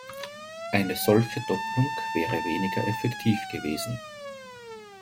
Eine solche Doppelung wäre weniger effektiv gewesen.